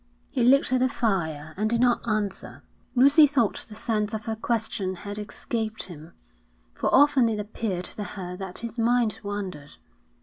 He looked at the fire and did not answer. Lucy thought the sense of her question had escaped him, for often it appeared to her that his mind wandered.